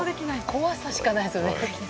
怖さしかないですよね。